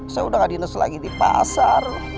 saya udah gak dinas lagi di pasar